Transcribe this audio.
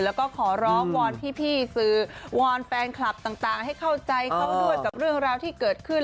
แล้วก็ขอร้องวอนพี่สื่อวอนแฟนคลับต่างให้เข้าใจเขาด้วยกับเรื่องราวที่เกิดขึ้น